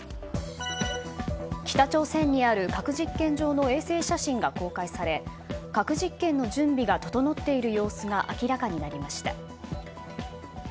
北朝鮮にある核実験場の衛星写真が公開され核実験の準備が整っている様子が明らかになりました。